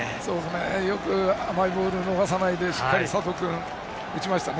よく甘いボールを逃さないでしっかり佐藤君が打ちました。